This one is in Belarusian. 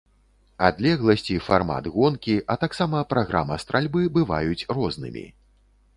Адлегласць і фармат гонкі, а таксама праграма стральбы бываюць рознымі.